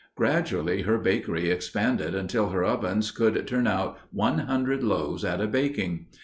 Gradually, her bakery expanded until her ovens could turn out one hundred loaves at a baking.